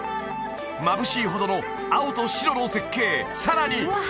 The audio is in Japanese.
まぶしいほどの青と白の絶景さらに